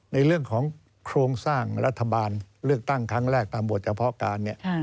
ในเรื่องของโครงสร้างรัฐบาลเลือกตั้งครั้งแรกตามบทเฉพาะการเนี่ย